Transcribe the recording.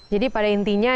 jadi pada intinya